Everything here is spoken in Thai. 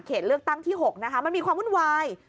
เลือกตั้งที่๖นะคะมันมีความวุ่นวาย